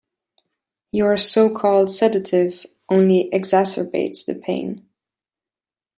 Your so-called sedative only exacerbates the pain.